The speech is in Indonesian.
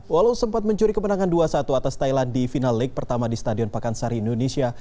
walau sempat mencuri kemenangan dua satu atas thailand di final league pertama di stadion pakansari indonesia